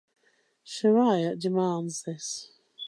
Sharia demands this.